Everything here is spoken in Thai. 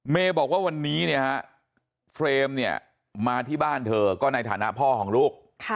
เมย์บอกว่าวันนี้เฟรมมาที่บ้านเธอก็ในฐานะพ่อของลูก